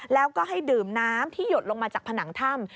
แล้วก็ให้ดื่มน้ำที่หยดลงมาจากผนังถ้ำ